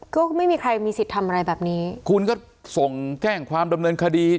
ก็ไม่มีใครมีสิทธิ์ทำอะไรแบบนี้คุณก็ส่งแจ้งความดำเนินคดี